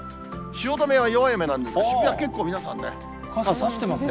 汐留は弱い雨なんですが、傘差してますね。